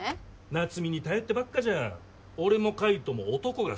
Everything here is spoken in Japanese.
夏海に頼ってばっかじゃ俺も海斗も男が廃るって。